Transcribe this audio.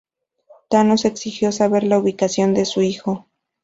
Thanos exigió saber la ubicación de su hijo.